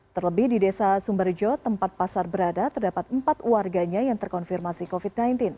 terlebih di desa sumberjo tempat pasar berada terdapat empat warganya yang terkonfirmasi covid sembilan belas